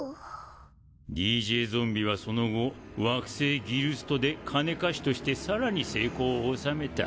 ＤＪゾンビはその後惑星ギルストで金貸しとしてさらに成功を収めた。